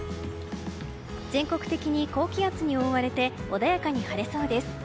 全国的に高気圧に覆われて穏やかに晴れそうです。